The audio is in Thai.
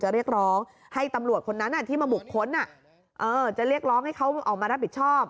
เรียกร้องให้ตำรวจคนนั้นที่มาบุคคลจะเรียกร้องให้เขาออกมารับผิดชอบ